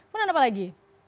kemudian apa lagi